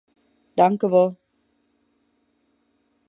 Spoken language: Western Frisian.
Tankjewol.